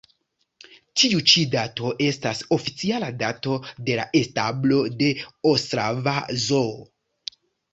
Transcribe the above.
Tiu ĉi dato estas oficiala dato de la establo de ostrava zoo.